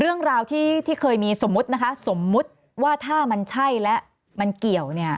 เรื่องราวที่เคยมีสมมุติว่าถ้ามันใช่และมันเกี่ยว